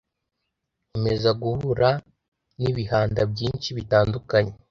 Nkomeza guhura n’ibihanda byinshi bitandukanye